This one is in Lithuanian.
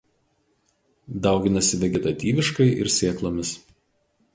Dauginasi vegetatyviškai ir sėklomis.